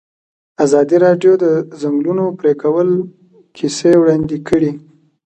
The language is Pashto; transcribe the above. ازادي راډیو د د ځنګلونو پرېکول کیسې وړاندې کړي.